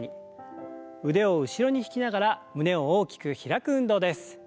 腕を後ろに引きながら胸を大きく開く運動です。